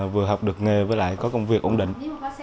vừa học được nghề với lại có công việc ổn định